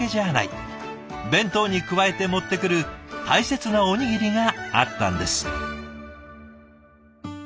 弁当に加えて持ってくる大切なおにぎりがあったんです。